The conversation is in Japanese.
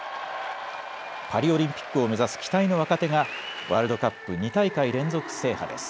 パリオリンピックを目指す期待の若手がワールドカップ２大会連続制覇です。